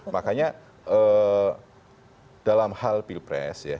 makanya dalam hal pilpres ya